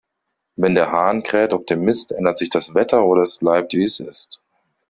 Wenn der Hahn kräht auf dem Mist, ändert sich das Wetter, oder es bleibt, wie es ist.